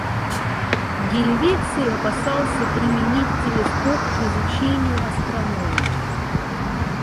Гельвеций опасался применить телескоп к изучению астрономии.